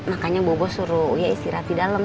makanya bobo suruh uya istirahat di dalem